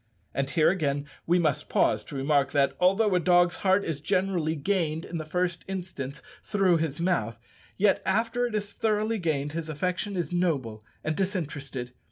And here again we must pause to remark that, although a dog's heart is generally gained in the first instance through his mouth, yet, after it is thoroughly gained, his affection is noble and disinterested.